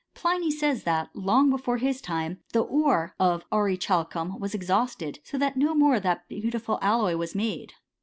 Pliny says, that long before hi« time, the ore of aurichalcum was exhausted, so that no more of that beautiful alloy was made.